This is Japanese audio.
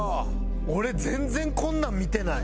俺全然こんなん見てない。